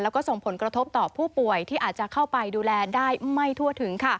แล้วก็ส่งผลกระทบต่อผู้ป่วยที่อาจจะเข้าไปดูแลได้ไม่ทั่วถึง